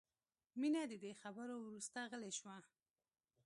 مینه د دې خبرو وروسته غلې شوه